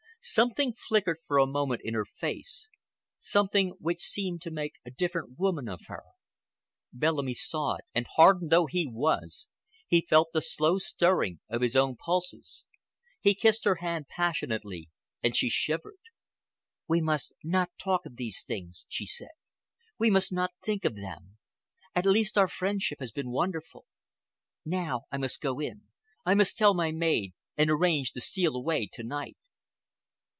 Something flickered for a moment in her face, something which seemed to make a different woman of her. Bellamy saw it, and hardened though he was he felt the slow stirring of his own pulses. He kissed her hand passionately and she shivered. "We must not talk of these things," she said. "We must not think of them. At least our friendship has been wonderful. Now I must go in. I must tell my maid and arrange to steal away to night."